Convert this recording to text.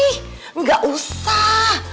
hei gak usah